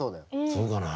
そうかな？